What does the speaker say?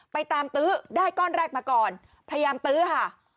ไปตามตื้อได้ก้อนแรกมาก่อนพยายามตื้อค่ะ